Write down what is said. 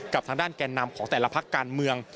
กับทางด้านแก่นำของแต่ละพักการเมือง